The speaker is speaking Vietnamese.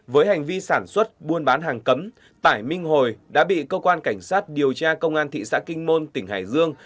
với hành vi sản xuất buôn bán hàng cấm tải minh hồi đã bị cơ quan cảnh sát điều tra công an thị xã kinh môn tỉnh hải dương